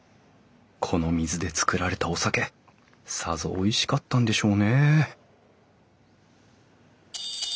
この水で造られたお酒さぞおいしかったんでしょうね